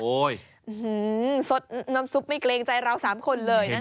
สดน้ำซุปไม่เกรงใจเรา๓คนเลยนะคะ